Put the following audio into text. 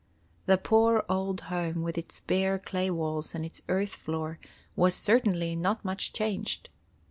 The poor old home with its bare clay walls and its earth floor was certainly not much changed.